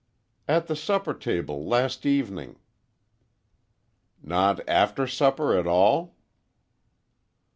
"At the supper table, last evening." "Not after supper at all?"